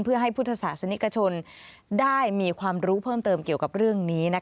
เพื่อให้พุทธศาสนิกชนได้มีความรู้เพิ่มเติมเกี่ยวกับเรื่องนี้